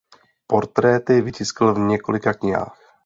Portréty vytiskl v několika knihách.